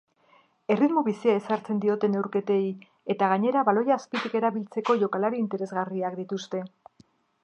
Erritmo bizia ezartzen diote neurketei eta gainera baloia azpitik erabiltzeko jokalari interesgarriak dituzte.